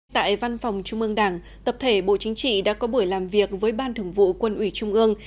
tại văn phòng trung ương đảng tập thể bộ chính trị đã có buổi làm việc với ban thường vụ quân ủy trung ương